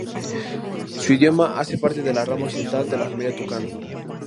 Su idioma hace parte de la rama occidental de la familia tucano.